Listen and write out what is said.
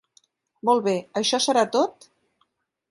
Molt bé, això serà tot?